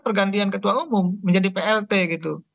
pergantian ketua umum menjadi plt gitu